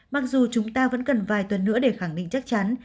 mặc dù chúng ta vẫn cần vài tuần nữa để khẳng định chắc chắn